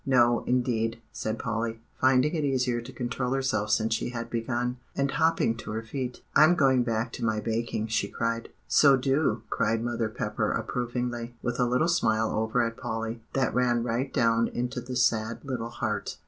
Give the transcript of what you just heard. "No, indeed," said Polly, finding it easier to control herself since she had begun, and hopping to her feet; "I'm going back to my baking," she cried. "So do," cried mother Pepper approvingly, with a little smile over at Polly, that ran right down into the sad little heart.